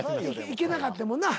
いけなかってんもんな。